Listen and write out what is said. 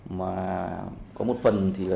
mà có một phần thì là